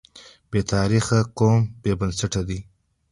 بې تاریخه قوم بې بنسټه دی.